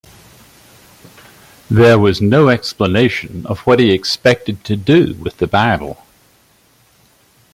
There was no explanation of what he expected to do with the Bible.